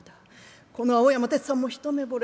この青山鉄山も一目ぼれ。